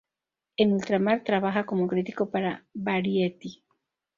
En ultramar trabaja como crítico para Variety.